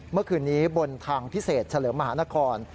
เมื่อคืนนี้บนทางพิเศษเฉลิมมหานคร